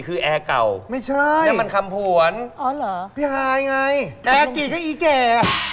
คือแอร์เก่านั่นมันคำผวนพี่ฮายไงแอร์เก่าก็อี๋แก่